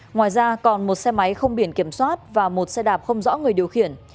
ngoài ra còn một xe máy không biển kiểm soát và một xe đạp không rõ người điều khiển